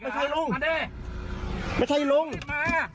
จะจะรจชอบ